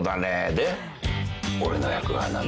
で俺の役は何だ？